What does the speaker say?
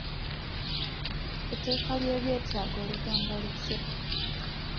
Etteeka ly'ebyetaago ligamba litya?